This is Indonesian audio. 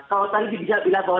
kalau tadi bisa bilang bahwa